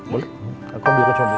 boleh aku ambil ke contoh